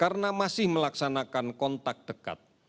karena masih melaksanakan kontak dekat